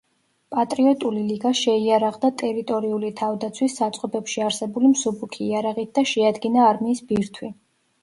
პატრიოტული ლიგა შეიარაღდა ტერიტორიული თავდაცვის საწყობებში არსებული მსუბუქი იარაღით და შეადგინა არმიის ბირთვი.